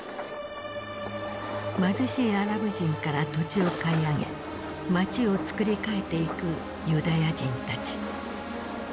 貧しいアラブ人から土地を買い上げ町をつくり替えていくユダヤ人たち。